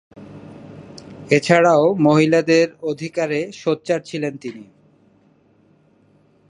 এছাড়াও মহিলাদের অধিকারে সোচ্চার ছিলেন তিনি।